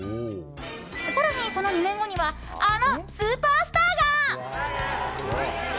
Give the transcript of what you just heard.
更に、その２年後にはあのスーパースターが。